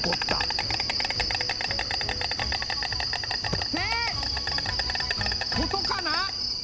早い！ってことかな？